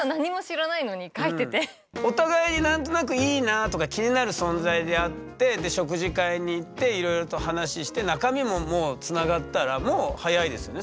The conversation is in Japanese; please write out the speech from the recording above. お互いに何となくいいなぁとか気になる存在であって食事会に行っていろいろと話して中身ももうつながったらもう早いですよね